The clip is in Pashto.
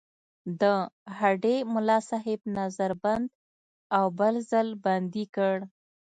د هډې ملاصاحب نظر بند او بل ځل بندي کړ.